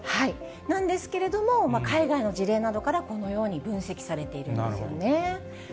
なんですけれども、海外の事例などからこのように分析されているんですよね。